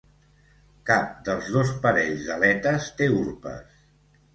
Cap dels dos parells d'aletes té urpes.